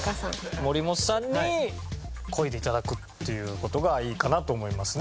森本さんに漕いでいただくっていう事がいいかなと思いますね。